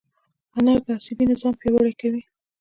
انار د عصبي نظام پیاوړی کوي.